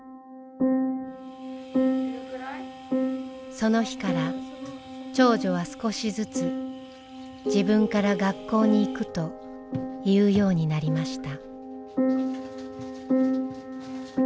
その日から長女は少しずつ自分から学校に行くと言うようになりました。